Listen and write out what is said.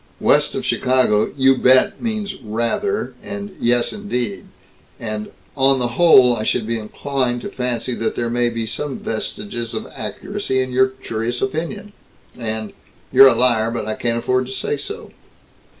West of Chicago, "You bet" means "Rather," and "Yes indeed," and "On the whole I should be inclined to fancy that there may be some vestiges of accuracy in your curious opinion," and "You're a liar but I can't afford to say so."